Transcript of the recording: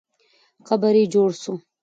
قبر یې جوړ سو.